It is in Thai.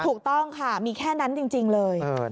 ถูกต้องค่ะมีแค่นั้นจริงเลย